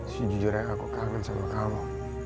sejujurnya aku kangen sama kamu